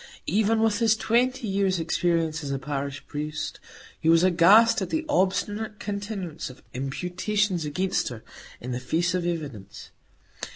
Even with his twenty years' experience as a parish priest, he was aghast at the obstinate continuance of imputations against her in the face of evidence.